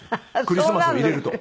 クリスマスを入れると。